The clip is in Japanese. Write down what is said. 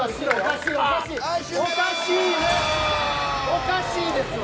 おかしいですわ。